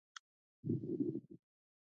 زردالو د افغانستان د هیوادوالو لپاره ویاړ دی.